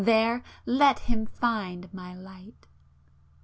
There let him find My Light!"